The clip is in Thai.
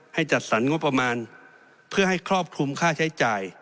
จัดสรรงบประมาณเพื่อให้ครอบคลุมค่าใช้จ่าย